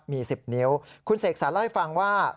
มี๑๐นิ้วคุณเสกสรรเล่าให้ฟังว่า